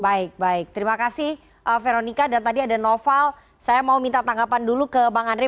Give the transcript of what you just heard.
baik baik terima kasih veronica dan tadi ada noval saya mau minta tanggapan dulu ke bang andre